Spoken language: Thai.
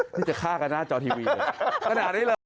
นี่จะฆ่ากันหน้าจอทีวีเลย